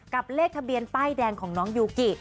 เลขทะเบียนป้ายแดงของน้องยูกิ